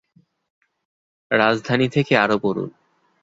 রাজধানী থেকে আরও পড়ুন